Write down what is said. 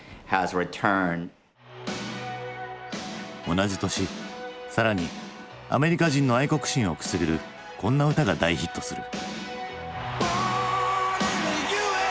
同じ年更にアメリカ人の愛国心をくすぐるこんな歌が大ヒットする。